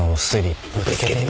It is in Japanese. ぶつけてみ。